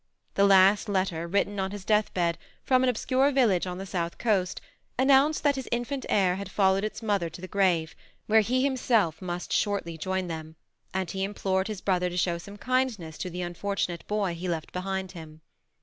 The last letter, written on his death bed, from an obscure village on the south coast, announced that his infant heir had followed its mother to the grave, where he himself must shortly join them; and he implored his brother to show some kindness to the unfortunate boy he left behind him.